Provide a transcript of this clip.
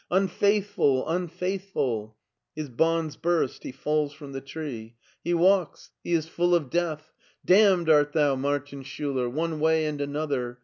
Unfaithful! unfaithful! His bonds burst, he falls from the tree. He walks. He is LEIPSIC 137 full of death. Damned art thou, Martin Schuler, one way and another.